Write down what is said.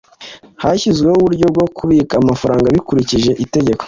hashyizweho uburyo bwo kubika amafaranga bikurikije itegeko